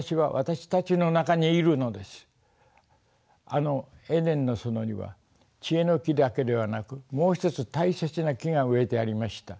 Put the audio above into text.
あのエデンの園には知恵の樹だけではなくもう一つ大切な樹が植えてありました。